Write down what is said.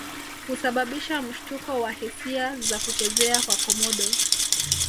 Husababisha mshtuko wa hisia za kuchezea kwa Komodo